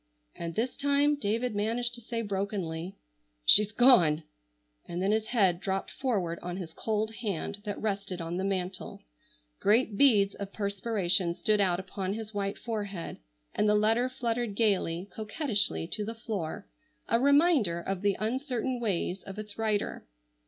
And this time David managed to say brokenly: "She's gone!" and then his head dropped forward on his cold hand that rested on the mantel. Great beads of perspiration stood out upon his white forehead, and the letter fluttered gayly, coquettishly to the floor, a reminder of the uncertain ways of its writer.